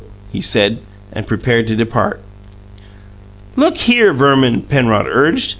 he said, and prepared to depart. "Look here, Verman," Penrod urged.